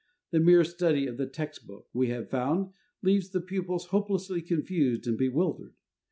The mere study of the text book, we have found, leaves the pupils hopelessly confused and bewildered.